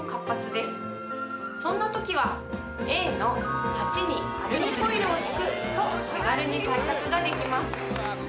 そんなときはＡの鉢にアルミホイルを敷くと手軽に対策ができます。